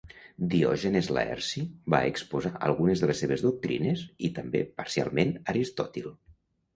Diògenes Laerci va exposar algunes de les seves doctrines i també, parcialment, Aristòtil.